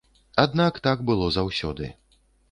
Аднак так было заўсёды.